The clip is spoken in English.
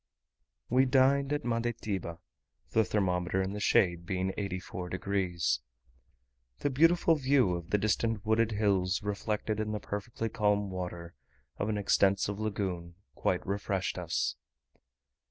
We dined at Mandetiba; the thermometer in the shade being 84 degs. The beautiful view of the distant wooded hills, reflected in the perfectly calm water of an extensive lagoon, quite refreshed us.